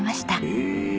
へえ。